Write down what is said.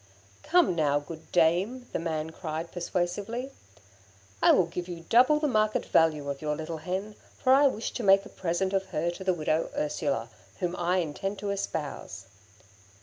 'Come now, good dame,' the man cried, persuasively, 'I will give you double the market value of your little hen, for I wish to make a present of her to the widow Ursula, whom I intend to espouse.'